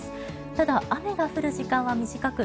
ただ、雨が降る時間は短く